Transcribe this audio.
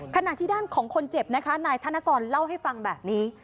ขณะที่ด้านของคนเจ็บนะคะนายธนกรเล่าให้ฟังแบบนี้